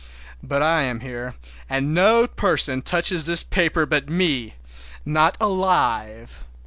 But I am here, and no person touches this paper but me—not alive!